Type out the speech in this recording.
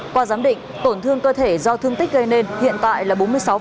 qua giám định tổn thương cơ thể do thương tích gây nên hiện tại là bốn mươi sáu